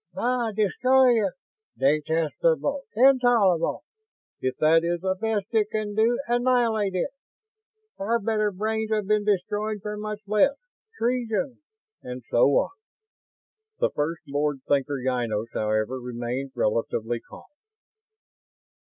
"Bah destroy it!" "Detestable!" "Intolerable!" "If that is the best it can do, annihilate it!" "Far better brains have been destroyed for much less!" "Treason!" And so on. First Lord Thinker Ynos, however, remained relatively calm.